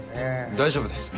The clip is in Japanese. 大丈夫です。